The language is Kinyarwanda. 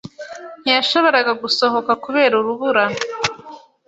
Ntiyashoboraga gusohoka kubera urubura